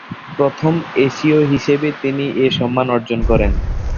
প্রথম এশীয় হিসাবে তিনি এ সম্মান অর্জন করেন।